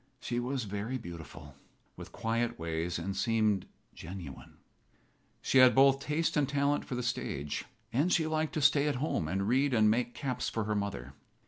She was very beautiful, with quiet ways, and seemed genuine. She had both taste and talent for the stage, and she liked to stay at home and read and make caps for her mother.